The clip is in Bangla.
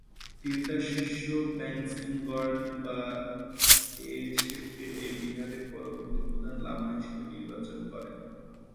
তিনি তার শিষ্য ব্যাং-সেম্স-র্গ্যাল-বা-য়ে-শেসকে এই বিহারের পরবর্তী প্রধান লামা হিসেবে নির্বাচন করেন।